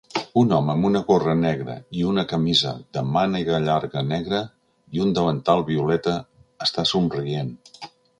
Un home amb una gorra negra i una camisa de mànega llarga negra i un davantal violeta està somrient.